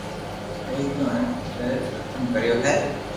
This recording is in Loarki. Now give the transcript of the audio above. ھوئي گآو ھين ٿي زتم ڪريو ھي